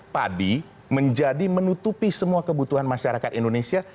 padi menjadi menutupi semua kebutuhan masyarakat indonesia